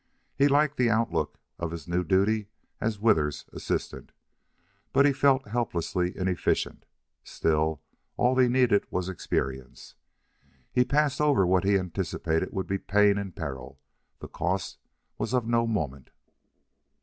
He liked the outlook of his new duty as Withers's assistant, but he felt helplessly inefficient. Still, all he needed was experience. He passed over what he anticipated would be pain and peril the cost was of no moment.